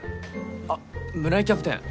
あっ村井キャプテン。